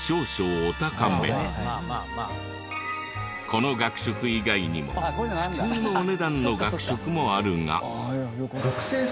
この学食以外にも普通のお値段の学食もあるが。